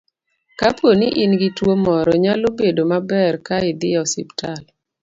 Kapo ni in gi tuwo moro, nyalo bedo maber ka idhi e osiptal .